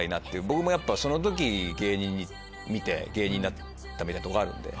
僕もやっぱその時芸人見て芸人になったとこあるんで。